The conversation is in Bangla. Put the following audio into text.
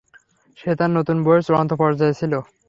সে তার নতুন বইয়ের চূড়ান্ত পর্যায়ে ছিল।